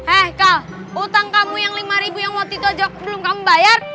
eh kal utang kamu yang lima ribu yang waktu itu aja belum kamu bayar